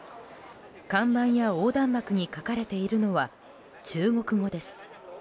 看板や横断幕に書かれているのは中国語です。